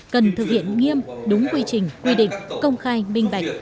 cần thực hiện nghiêm đúng quy trình quy định công khai minh bạch